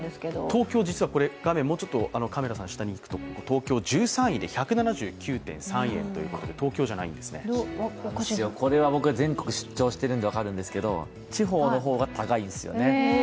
東京、実は東京１３位で、１７９．３円ということでおかしいなこれは僕は全国出張してるんで分かるんですけど地方の方が高いんですよね。